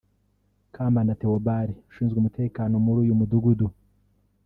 Kambanda Theobald ushinzwe umutekano muri uyu mudugudu